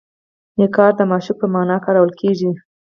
نګار د معشوق په معنی کارول کیږي.